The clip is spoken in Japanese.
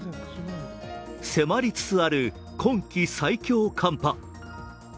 迫りつつある今季最強寒波。